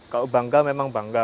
kalau bangga memang bangga